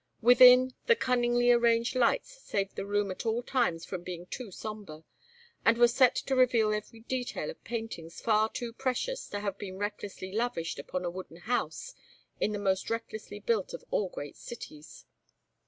Within, the cunningly arranged lights saved the room at all times from being too sombre, and were set to reveal every detail of paintings far too precious to have been recklessly lavished upon a wooden house in the most recklessly built of all great cities.